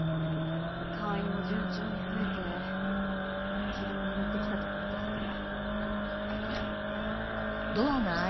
会員も順調に増えて軌道に乗ってきたところですから。